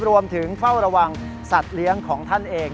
รวมถึงเฝ้าระวังสัตว์เลี้ยงของท่านเอง